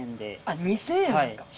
あっ２０００円ですか？